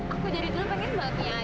aku dari dulu pengen bahagia adik